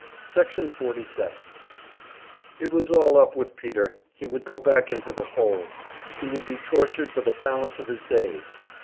Section 47 It was all up with Peter. He would go back into the hole! He would be tortured for the balance of his days!